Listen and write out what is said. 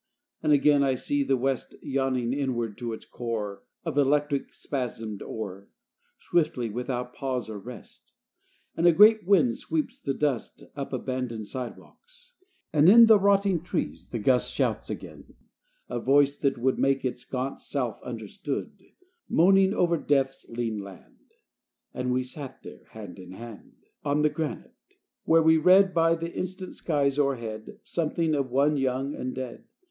And again I see the west Yawning inward to its core Of electric spasmed ore, Swiftly, without pause or rest: And a great wind sweeps the dust Up abandoned sidewalks; and, In the rotting trees, the gust Shouts again a voice that would Make its gaunt self understood Moaning over Death's lean land. And we sat there, hand in hand; On the granite; where we read, By the instant skies o'erhead, Something of one young and dead.